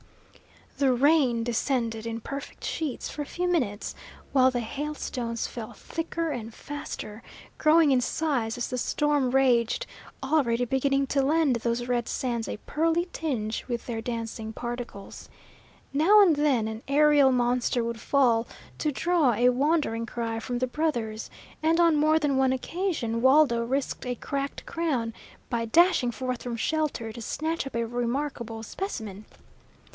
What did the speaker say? The rain descended in perfect sheets for a few minutes, while the hailstones fell thicker and faster, growing in size as the storm raged, already beginning to lend those red sands a pearly tinge with their dancing particles. Now and then an aerial monster would fall, to draw a wondering cry from the brothers, and on more than one occasion Waldo risked a cracked crown by dashing forth from shelter to snatch up a remarkable specimen.